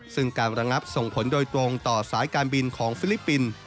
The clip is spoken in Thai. ซึ่งการระงับส่งผลโดยตรงต่อสายการบินของฟิลิปปินส์